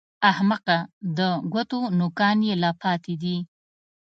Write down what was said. احمقه! د ګوتو نوکان يې لا پاتې دي!